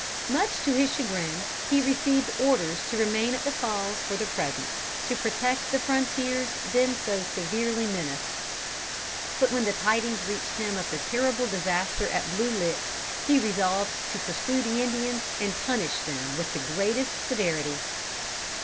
Much to his chagrin, he received orders to remain at the Falls for the present, to protect the frontiers then so severely menaced. But when the tidings reached him of the terrible disaster at the Blue Lick, he resolved to pursue the Indians and punish them with the greatest severity.